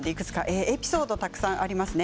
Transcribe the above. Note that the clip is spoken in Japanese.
エピソードたくさんあります。